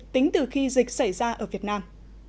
tính từ khi dịch xảy ra ở việt nam